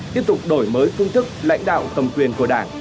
tiếp tục đổi mới phương thức lãnh đạo tầm quyền của đảng